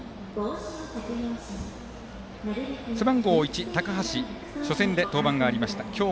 背番号１の高橋は初戦で登板がありました。